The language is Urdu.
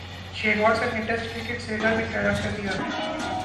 شین واٹسن نے ٹیسٹ کرکٹ سے ریٹائرمنٹ کا اعلان کر دیا